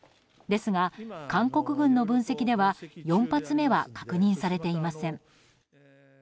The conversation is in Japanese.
ですが、韓国軍の分析では４発目は確認されていません。